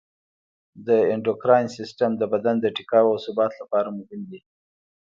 د اندوکراین سیستم د بدن د ټیکاو او ثبات لپاره مهم دی.